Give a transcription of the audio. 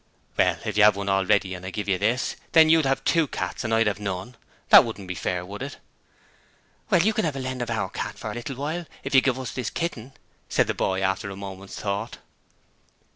'Well, if you have one already and I give you this, then you'd have two cats, and I'd have none. That wouldn't be fair, would it?' 'Well, you can 'ave a lend of our cat for a little while if you give us this kitten,' said the boy, after a moment's thought.